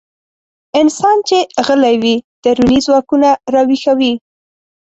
انسان چې غلی وي، دروني ځواکونه راويښوي.